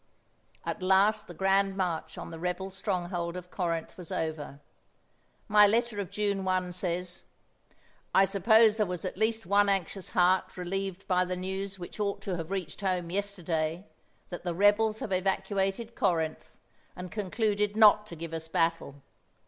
At last the grand march on the rebel stronghold of Corinth was over. My letter of June 1 says: "I suppose there was at least one anxious heart relieved by the news which ought to have reached home yesterday that the rebels had evacuated Corinth, and concluded not to give us battle.